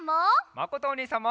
まことおにいさんも！